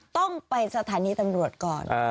ต้องไปสถานีตำรวจก่อน